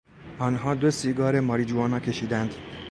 آنها دو سیگار ماریجوانا کشیدند.